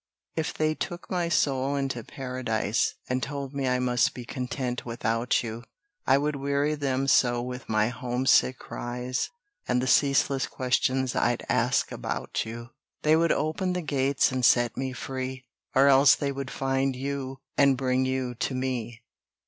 If they took my soul into Paradise, And told me I must be content without you, I would weary them so with my homesick cries, And the ceaseless questions I asked about you, They would open the gates and set me free, Or else they would find you and bring you to me.